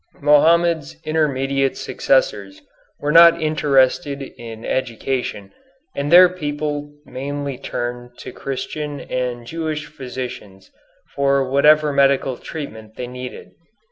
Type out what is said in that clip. Mohammed's immediate successors were not interested in education, and their people mainly turned to Christian and Jewish physicians for whatever medical treatment they needed.